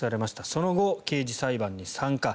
その後、刑事裁判に参加。